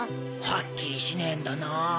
はっきりしねぇんだなぁ。